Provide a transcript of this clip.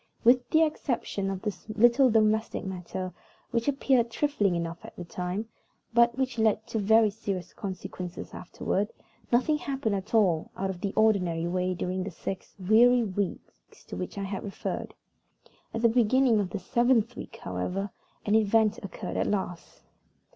With the exception of this little domestic matter, which appeared trifling enough at the time, but which led to very serious consequences afterward, nothing happened at all out of the ordinary way during the six weary weeks to which I have referred. At the beginning of the seventh week, however, an event occurred at last.